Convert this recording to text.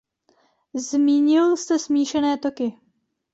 Zmínil jste smíšené toky.